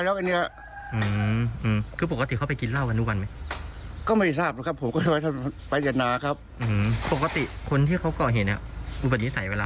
เดี๋ยวลองฟังตาทรเพื่อนบ้านเล่าถึงสุกิตหน่อยค่ะ